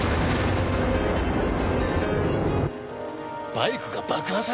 バイクが爆破された！？